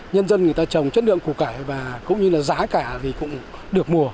nhân dân người ta trồng chất lượng củ cải và cũng như là giá cả thì cũng được mùa